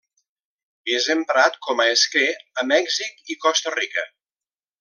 És emprat com a esquer a Mèxic i Costa Rica.